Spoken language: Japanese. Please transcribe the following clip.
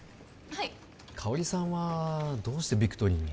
はいかほりさんはどうしてビクトリーに？